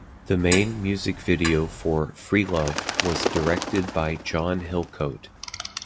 The main music video for "Freelove" was directed by John Hillcoat.